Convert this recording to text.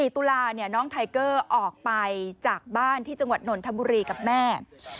ตุลาน้องไทเกอร์ออกไปจากบ้านที่จังหวัดนนทบุรีกับแม่